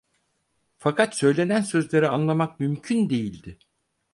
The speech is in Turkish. Fakat söylenen sözleri anlamak mümkün değildi.